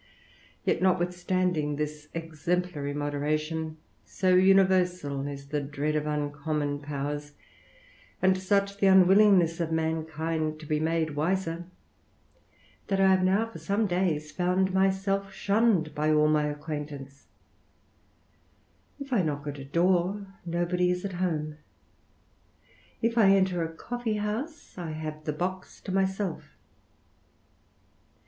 Vet, notwithstanding this exemplaiy moderation, so universal is the dread of uncommon powers, and such the unwillingness of mankind to be made wiser, that I have now for some days found myself shunned by all my acquaintance, If I knock at a door, no body i: home ; if I enter a coffee house, I have the box to myself.